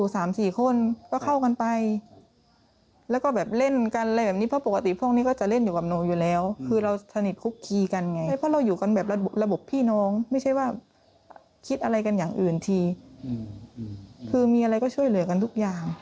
อ๋อสามีสารภาพว่านัดผู้หญิงอีกคนนึงไปโรงแรม